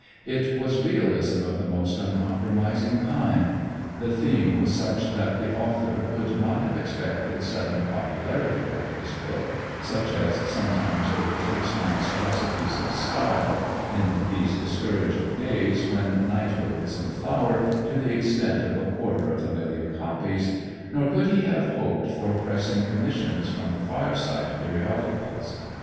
It was realism of the most uncompromising kind. The theme was such that the author could not have expected sudden popularity for his book, such as sometimes overtakes monstrosities of style in these discouraging days when Knighthood is in Flower to the extent of a quarter of a million copies, nor could he have hoped for pressing commissions from the fire side periodicals.